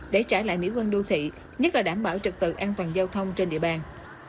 để trả lại mỹ quân đô thị nhất là đảm bảo trực tự an toàn giao thông trên địa bàn